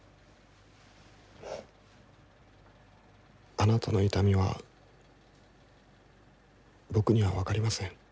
あなたの痛みは僕には分かりません。